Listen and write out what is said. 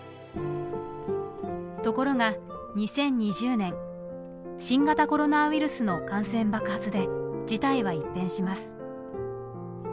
ところが２０２０年新型コロナウイルスの感染爆発で事態は一変します。